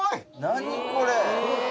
何これ！